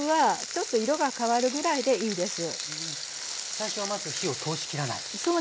最初はまず火を通し切らないんですね。